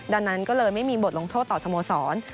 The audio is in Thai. ดังนั้นก็เลยไม่มีบทลงโทษต่อสโมสร